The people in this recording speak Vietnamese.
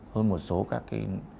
hơn một số các cái